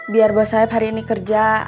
biar bos saeb hari ini kerja